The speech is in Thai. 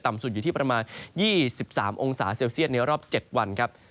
สุดอยู่ที่ประมาณ๒๓องศาเซลเซียตในรอบ๗วันครับ